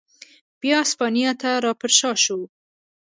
بیا اسپانیا ته را پرشا شو.